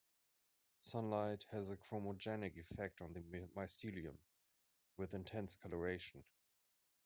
Sunlight has a chromogenic effect on the mycelium, with intense coloration.